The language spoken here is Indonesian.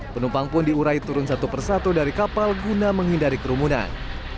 penumpang pun diurai turun satu persatu dari kapal guna menghindari kerumunan